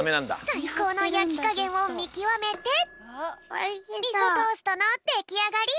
さいこうのやきかげんをみきわめてみそトーストのできあがり！